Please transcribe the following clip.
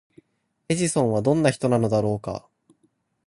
エジソンはどんな人なのだろうか？